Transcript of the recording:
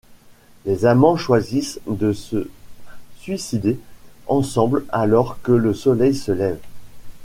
Les amants choisissent de se suicider ensemble alors que le soleil se lève.